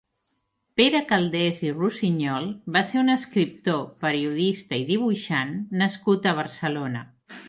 Pere Calders i Rossinyol va ser un escriptor, periodista i dibuixant nascut a Barcelona.